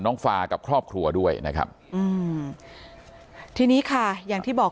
ฟากับครอบครัวด้วยนะครับอืมทีนี้ค่ะอย่างที่บอก